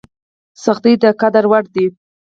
سختۍ د قدر وړ دي.